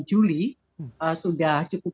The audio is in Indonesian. juli sudah cukup